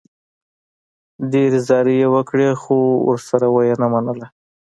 ډېرې زارۍ یې وکړې، خو ورسره و یې نه منله.